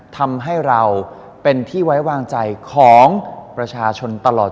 ทำให้เราเป็นที่ไว้วางใจของประชาชนตลอด